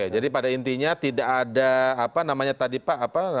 jadi pada intinya tidak ada apa namanya tadi pak